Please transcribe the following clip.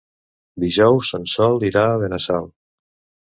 Dijous en Sol irà a Benassal.